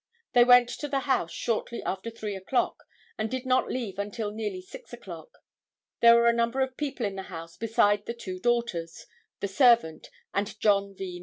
They went to the house shortly after 3 o'clock, and did not leave until nearly 6 o'clock. There were a number of people in the house beside the two daughters, the servant and John V.